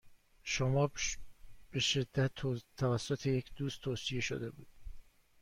شرکت شما به شدت توسط یک دوست توصیه شده بود.